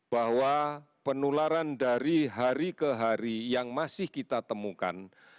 bahwa penularan dari hari ke hari yang masih kita temukan